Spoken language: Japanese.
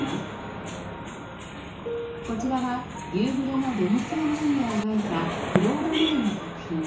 こちらは夕暮れのヴェネツィアの海を描いたクロード・モネの作品。